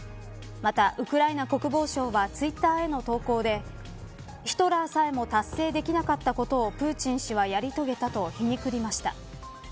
また、ウクライナ国防省はツイッターへの投稿でヒトラーさえも達成できなかったことをプーチン氏はやり遂げたと皮肉りました。